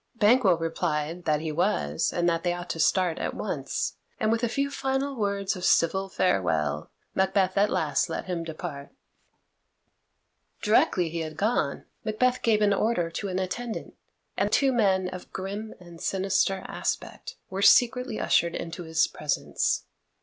Banquo replied that he was, and that they ought to start at once, and with a few final words of civil farewell Macbeth at last let him depart. Directly he had gone, Macbeth gave an order to an attendant, and two men of grim and sinister aspect were secretly ushered into his presence.